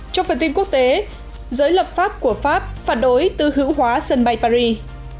trong phần tin quốc tế giới lập pháp của pháp phản đối tư hữu hóa sân bay paris